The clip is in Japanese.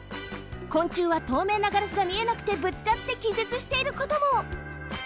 昆虫はとうめいなガラスが見えなくてぶつかってきぜつしていることも！